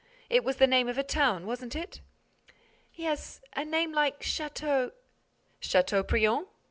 It was the name of a town, wasn't it?" "Yes—a name—like Château—" "Châteaubriant?